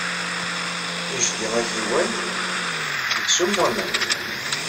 Ijdi akiwan yettsummu aman.